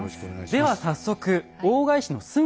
では早速大返しのすごさ